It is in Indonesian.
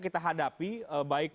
kita hadapi baik